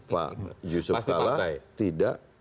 pak yusuf tala tidak